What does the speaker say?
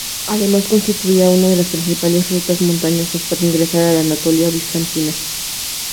Además, constituía una de las principales rutas montañosas para ingresar a la Anatolia bizantina.